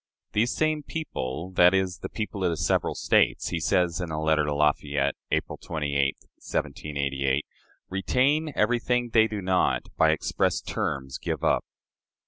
These same people that is, "the people of the several States" he says, in a letter to Lafayette, April 28, 1788, "retain everything they do not, by express terms, give up."